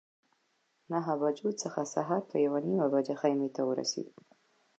نهه بجو څخه سهار په یوه نیمه بجه خیمې ته ورسېدو.